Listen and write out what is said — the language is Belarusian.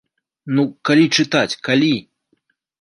Ну, калі чытаць, калі?!